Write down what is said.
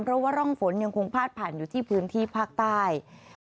เพราะว่าร่องฝนยังคงพาดผ่านอยู่ที่พื้นที่ภาคใต้